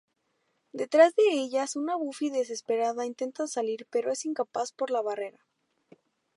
Detrás de ellas una Buffy desesperada intenta salir pero es incapaz por la barrera.